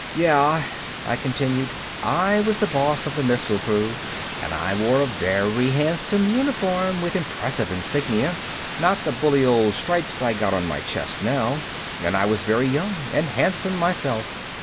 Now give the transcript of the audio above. "Yeah," I continued, "I was the boss of the missile crew and I wore a very handsome uniform with impressive insignia not the bully old stripes I got on my chest now and I was very young and handsome myself.